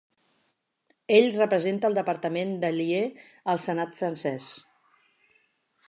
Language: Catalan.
Ell representa el departament d'Allier al senat francès.